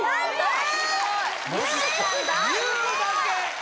・え！